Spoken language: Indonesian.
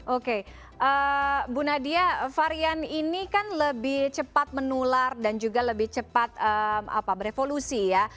oke bu nadia varian ini kan lebih cepat menular dan juga lebih cepat berevolusi ya